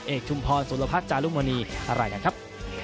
เอกชุมพรสุรพักษณ์จารุมณีอร่ายกันครับ